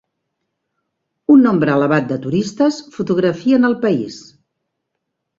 Un nombre elevat de turistes fotografien el país.